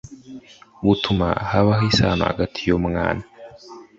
butuma habaho isano hagati y umwana